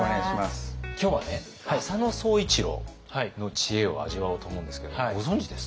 今日はね浅野総一郎の知恵を味わおうと思うんですけどもご存じですか？